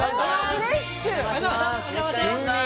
・よろしくお願いします！